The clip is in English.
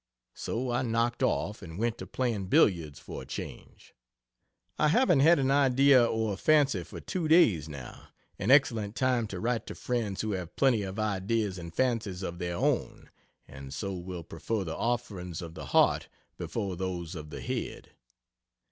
So I knocked off, and went to playing billiards for a change. I haven't had an idea or a fancy for two days, now an excellent time to write to friends who have plenty of ideas and fancies of their own, and so will prefer the offerings of the heart before those of the head.